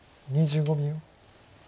２５秒。